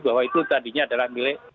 bahwa itu tadinya adalah milik